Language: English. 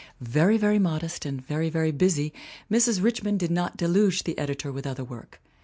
Very, very modest, and very, very busy, Mrs. Rich mond did not deluge the editor with other work.